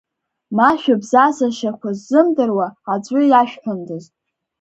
Ма шәыбзазашьақәа ззымдыруа аӡәы иашәҳәондаз!